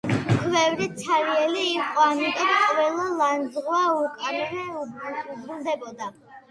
ქვევრი ცარიელი იყო. ამიტომ ყველა ლანძღვა უკანვე უბრუნდებოდა.